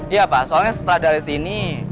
iya pak soalnya setelah dari sini